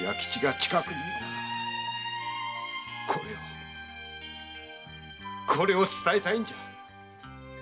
これをこれを伝えたいのじゃ。